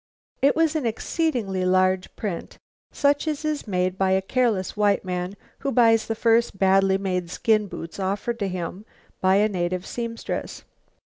It was an exceedingly large print; such as is made by a careless white man who buys the first badly made skin boots offered to him by a native seamstress.